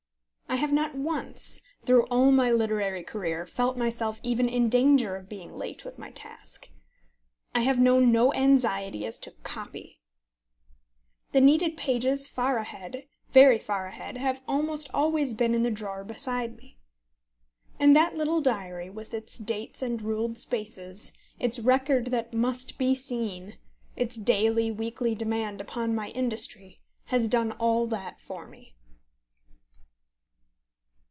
I have not once, through all my literary career, felt myself even in danger of being late with my task. I have known no anxiety as to "copy." The needed pages far ahead very far ahead have almost always been in the drawer beside me. And that little diary, with its dates and ruled spaces, its record that must be seen, its daily, weekly demand upon my industry, has done all that for me.